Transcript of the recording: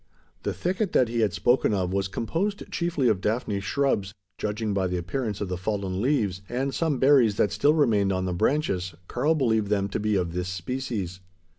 The thicket that he had spoken of was composed chiefly of daphne shrubs judging by the appearance of the fallen leaves, and some berries that still remained on the branches, Karl believed them to be of this species.